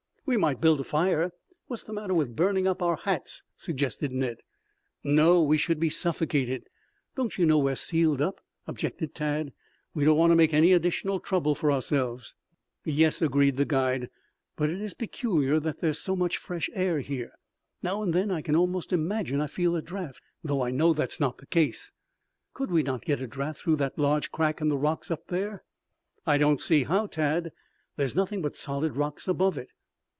"We might build a fire. What's the matter with burning up our hats?" suggested Ned. "No, we should be suffocated. Don't you know we are sealed up," objected Tad. "We don't want to make any additional trouble for ourselves." "Yes," agreed the guide. "But it is peculiar that there is so much fresh air here. Now and then I can almost imagine I feel a draft, though I know that is not the case." "Could we not get a draft through that large crack in the rocks up there?" "I don't see how, Tad. There is nothing but solid rocks above it."